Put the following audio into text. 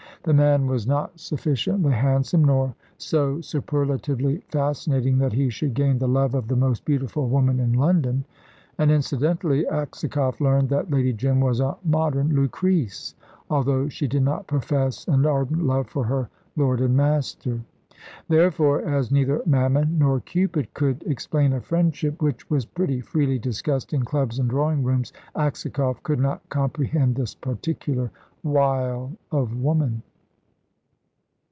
The man was not sufficiently handsome, nor so superlatively fascinating, that he should gain the love of the most beautiful woman in London. And, incidentally, Aksakoff learned that Lady Jim was a modern Lucrece, although she did not profess an ardent love for her lord and master. Therefore, as neither Mammon nor Cupid could explain a friendship which was pretty freely discussed in clubs and drawing rooms, Aksakoff could not comprehend this particular wile of woman.